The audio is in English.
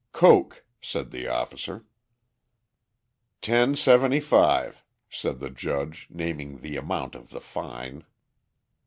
"Coke," said the officer. "Ten seventy five," said the judge, naming the amount of the fine.